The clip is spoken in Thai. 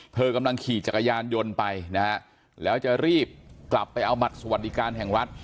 เธอกำลังขี่จักรยานยนต์ไปนะฮะแล้วจะรีบกลับไปเอาบัตรสวัสดิการแห่งรัฐ